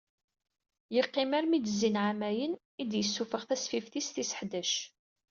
Yeqqim armi i d-zzin ɛamayen, i d-yessufeɣ tasfift-is tis ḥdac.